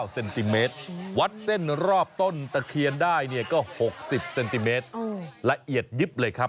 ๖๐เซนติเมตรละเอียดนิบเลยครับ